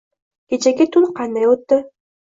– Kechagi tun qanday o‘tdi?